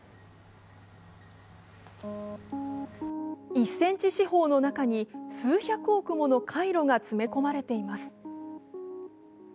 １センチ四方の中に数百億もの回路が詰め込まれています。